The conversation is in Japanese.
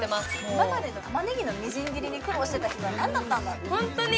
今までのタマネギのみじん切りに苦労してた日は何だったんだってホントに！